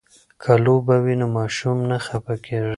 که لوبه وي نو ماشوم نه خفه کیږي.